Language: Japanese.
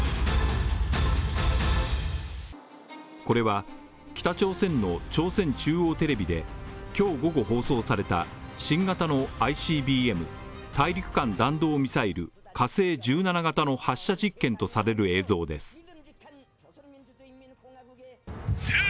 これは北朝鮮の朝鮮中央テレビで今日午後、放送された新型のＩＣＢＭ＝大陸間弾道ミサイル火星１７型の発射実験とされる映像です。